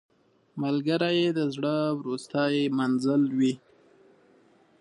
ملګری د زړه وروستی منزل وي